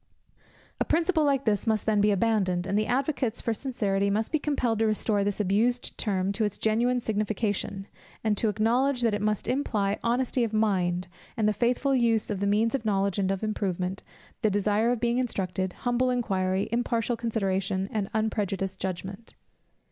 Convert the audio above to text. A principle like this must then be abandoned, and the advocates for sincerity must be compelled to restore this abused term to its genuine signification, and to acknowledge that it must imply honesty of mind, and the faithful use of the means of knowledge and of improvement, the desire of being instructed, humble inquiry, impartial consideration, and unprejudiced judgment.